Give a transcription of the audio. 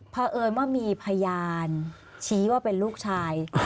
เพราะเอิญว่ามีพยานชี้ว่าเป็นลูกชาย